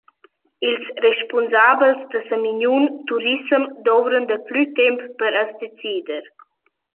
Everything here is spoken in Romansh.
Ils respunsabels da Samignun Turissem douvran daplü temp per as decider.